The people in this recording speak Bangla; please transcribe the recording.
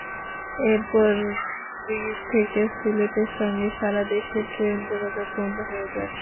এরপরই থেকে সিলেটের সঙ্গে সারা দেশের ট্রেন যোগাযোগ বন্ধ হয়ে যায়।